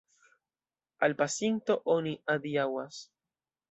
Al pasinto oni adiaŭas.